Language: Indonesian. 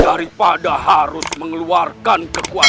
daripada harus mengeluarkan kesehatan